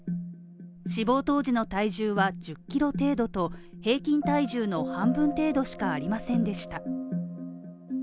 死亡当時の体重は１０ｋｇ程度と平均体重の半分程度しかありませんでした。